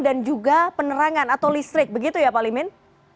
dan juga penerangan atau listrik begitu ya pak limin